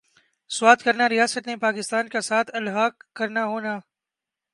سوات کرنا ریاست نے پاکستان کا ساتھ الحاق کرنا ہونا